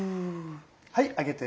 はい上げて。